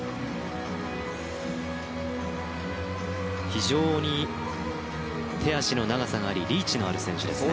非常に手足の長さがありリーチのある選手ですね。